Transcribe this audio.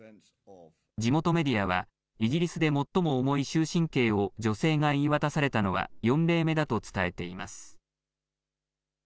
地元メディアはイギリスで最も重い終身刑を女性が言い渡されたのは４例目だと伝えています。